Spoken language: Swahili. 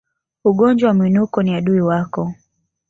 Ugonjwa wa Mwinuko ni adui wako